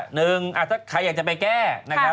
หนึ่งถ้าใครอยากจะไปแก้นะครับ